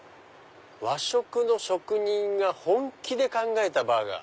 「和食の職人が本気で考えたバーガー」。